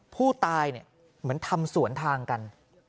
ผู้ตายเหมือนทำสวนทางกัน